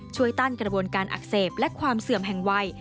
ตั้นกระบวนการอักเสบและความเสื่อมแห่งวัย